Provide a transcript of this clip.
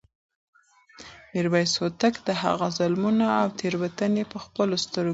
میرویس هوتک د هغه ظلمونه او تېروتنې په خپلو سترګو لیدې.